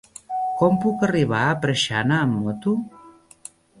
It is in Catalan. Com puc arribar a Preixana amb moto?